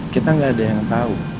kita nggak ada yang tahu